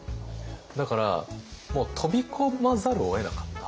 だからもう飛び込まざるをえなかった。